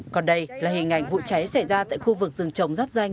còn đây là hình ảnh vụ cháy xảy ra tại khu vực rừng trồng giáp danh